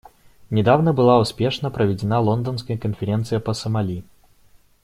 Недавно была успешно проведена Лондонская конференция по Сомали.